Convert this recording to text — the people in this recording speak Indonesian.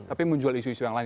tapi menjual isu isu yang lain